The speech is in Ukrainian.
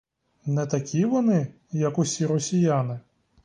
Не такі вони, як усі росіяни?